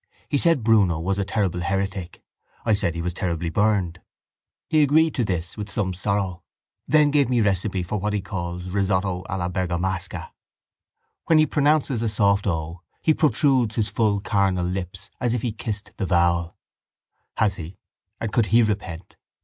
He said Bruno was a terrible heretic. I said he was terribly burned. He agreed to this with some sorrow. Then gave me recipe for what he calls risotto alla bergamasca. When he pronounces a soft o he protrudes his full carnal lips as if he kissed the vowel. Has he? And could he repent?